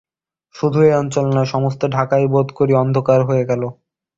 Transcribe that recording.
শুধু এ অঞ্চল নয়, সমস্ত ঢাকাই বোধ করি অন্ধকার হয়ে গেল।